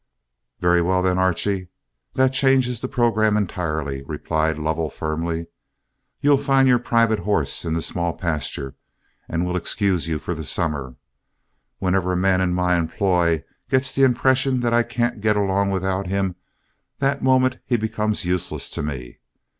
"Very well then, Archie; that changes the programme entirely," replied Lovell, firmly. "You'll find your private horse in the small pasture, and we'll excuse you for the summer. Whenever a man in my employ gets the impression that I can't get along without him, that moment he becomes useless to me.